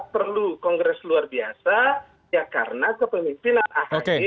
perlu kongres luar biasa ya karena kepemimpinan ahy